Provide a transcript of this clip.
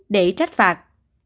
để trách phạt